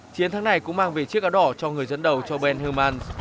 chiến thắng này cũng mang về chiếc áo đỏ cho người dẫn đầu cho ben herman